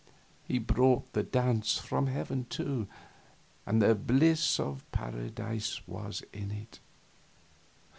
He brought the dance from heaven, too, and the bliss of paradise was in it.